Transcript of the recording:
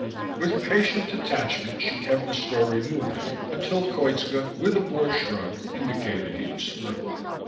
With patient detachment she kept the story moving until Koitska with a bored shrug indicated he was through.